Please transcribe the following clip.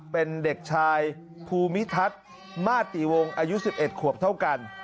เป็นเด็กชายภูมิทัศน์มาติวงอายุ๑๑ขวบเท่ากัน